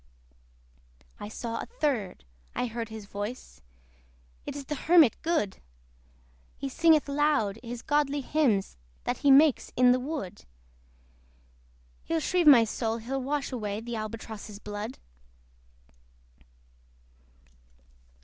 I saw a third I heard his voice: It is the Hermit good! He singeth loud his godly hymns That he makes in the wood. He'll shrieve my soul, he'll wash away The Albatross's blood.